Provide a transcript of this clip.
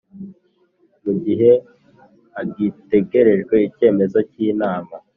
Mu gihe hagitegerejwe icyemezo cy Inama